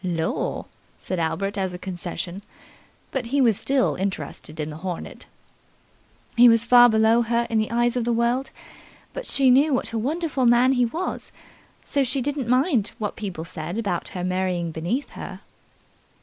"Lor'", said Albert as a concession, but he was still interested in the hornet. "He was far below her in the eyes of the world, but she knew what a wonderful man he was, so she didn't mind what people said about her marrying beneath her."